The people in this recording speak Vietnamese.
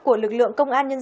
của lực lượng công an nhân dân